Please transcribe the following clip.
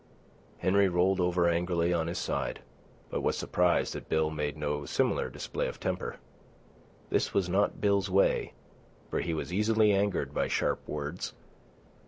Henry rolled over angrily on his side, but was surprised that Bill made no similar display of temper. This was not Bill's way, for he was easily angered by sharp words.